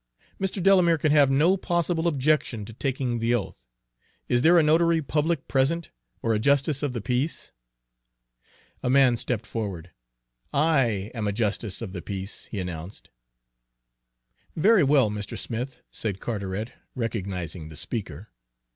"Mr. Delamere can have no possible objection to taking the oath. Is there a notary public present, or a justice of the peace?" A man stepped forward. "I am a justice of the peace," he announced. "Very well, Mr. Smith," said Carteret, recognizing the speaker.